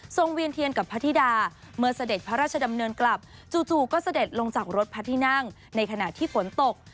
เวียนเทียนกับพระธิดาเมื่อเสด็จพระราชดำเนินกลับจู่ก็เสด็จลงจากรถพระที่นั่งในขณะที่ฝนตก